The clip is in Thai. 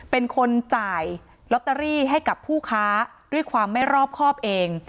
เป็นคนจ่ายลอตเตอรี่ให้กับผู้ค้าด้วยความไม่รอบครอบเอง